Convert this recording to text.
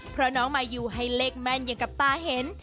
เพราะน้องมายูให้เลขแม่นอย่างกับตาเห็น